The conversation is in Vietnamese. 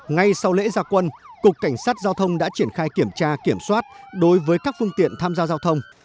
ngay sau lễ gia quân cục cảnh sát giao thông đã triển khai kiểm tra kiểm soát đối với các phương tiện tham gia giao thông